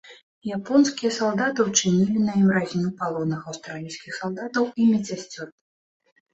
Японскія салдаты учынілі на ім разню палонных аўстралійскіх салдатаў і медсясцёр.